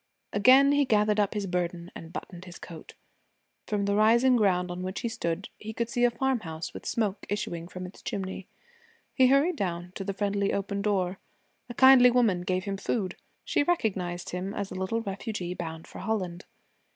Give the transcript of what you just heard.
Again he gathered up his burden and buttoned his coat. From the rising ground on which he stood he could see a farmhouse with smoke issuing from its chimney. He hurried down to the friendly open door. A kindly woman gave him food. She recognized him as a little refugee bound for Holland.